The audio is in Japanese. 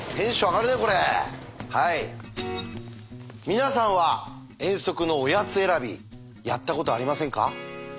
皆さんは遠足のおやつ選びやったことありませんか？